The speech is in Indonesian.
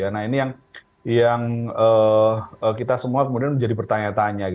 nah ini yang kita semua kemudian menjadi bertanya tanya